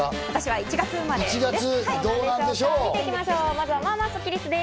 １月生まれです。